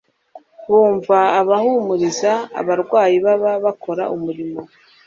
Bumva abahumuriza abarwayi baba bakora umurimo,